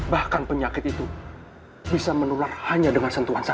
bahkan penyakit itu bisa menular hanya dengan sentuhan saja